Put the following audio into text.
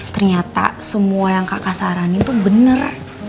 ternyata semua yang kakak saranin tuh bener